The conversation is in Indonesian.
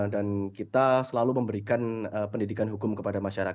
dan kita selalu memberikan pendidikan hukum kepada masyarakat